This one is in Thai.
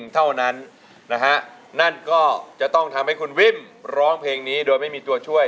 เท่านั้นนะฮะนั่นก็จะต้องทำให้คุณวิมร้องเพลงนี้โดยไม่มีตัวช่วย